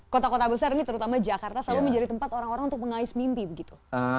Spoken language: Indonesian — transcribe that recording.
kota kota besar ini terutama jakarta selalu menjadi tempat orang orang untuk mengais mimpi begitu